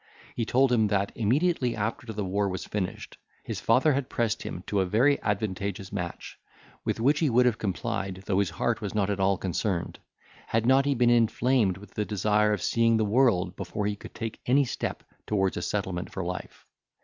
He told him, that, immediately after the war was finished, his father had pressed him to a very advantageous match, with which he would have complied, though his heart was not at all concerned, had not he been inflamed with the desire of seeing the world before he could take any step towards a settlement for life.